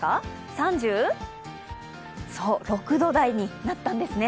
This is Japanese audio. ３０？そう、６度台になったんですね。